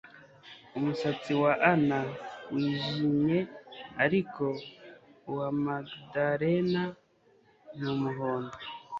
Umusatsi wa Anna wijimye ariko uwa Magdalena ni umuhondo